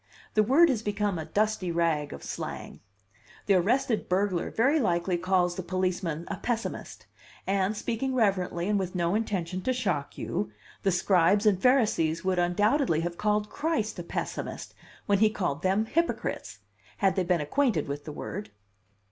The word has become a dusty rag of slang. The arrested burglar very likely calls the policeman a pessimist; and, speaking reverently and with no intention to shock you, the scribes and Pharisees would undoubtedly have called Christ a pessimist when He called them hypocrites, had they been acquainted with the word."